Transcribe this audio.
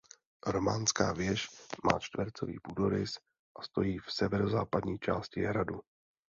Románská věž má čtvercový půdorys a stojí v severozápadní části hradu.